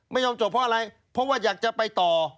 ไม่ยอมจบเพราะอะไรเพราะว่าอยากจะไปต่อ